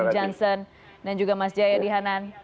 johnson dan juga mas jaya dihanan